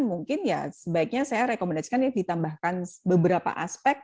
mungkin ya sebaiknya saya rekomendasikan ya ditambahkan beberapa aspek